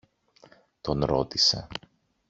τον ρώτησε.